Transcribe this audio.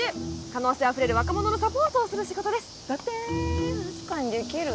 可能性あふれる」「若者のサポートをする仕事です」だってあす花にできる？